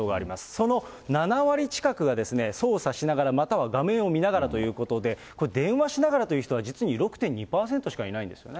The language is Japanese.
その７割近くが操作しながら、または画面を見ながらということで、これ電話しながらという人は実に６．２％しかいないんですよね。